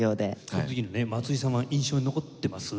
その時にね松井さんは印象に残っています？